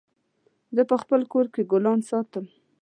زه په خپل کور کي ګلان ساتم